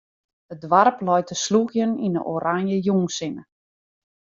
It doarp leit te slûgjen yn 'e oranje jûnssinne.